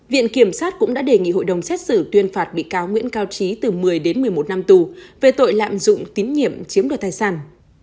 viện kiểm sát cũng đã đề nghị hội đồng xét xử tuyên phạt bị cáo nguyễn cao trí từ một mươi đến một mươi một năm tù về tội lạm dụng tín nhiệm chiếm đoạt tài sản